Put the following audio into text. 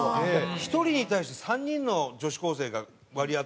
１人に対して３人の女子高生が割り当てられるぐらいの。